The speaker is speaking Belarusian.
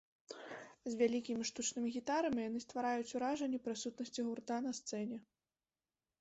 З вялікімі штучнымі гітарамі яны ствараюць уражанне прысутнасці гурта на сцэне.